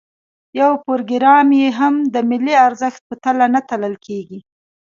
یو پروګرام یې هم د ملي ارزښت په تله نه تلل کېږي.